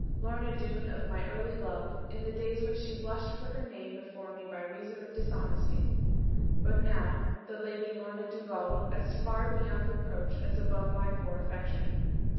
Lorna Doone of my early love; in the days when she blushed for her name before me by reason of dishonesty; but now the Lady Lorna Dugal as far beyond reproach as above my poor affection.